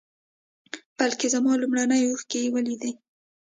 بلکې زما لومړنۍ اوښکې یې ولیدې.